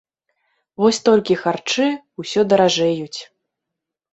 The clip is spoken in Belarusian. Вось толькі харчы ўсё даражэюць.